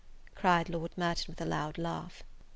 cried Lord Merton, with a loud laugh.